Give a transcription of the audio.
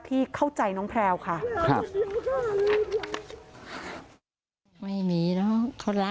ที่เข้าใจน้องแพลวค่ะ